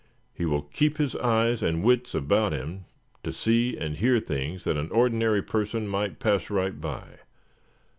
He will keep his eyes and wits about him to see and hear things that an ordinary person might pass right by.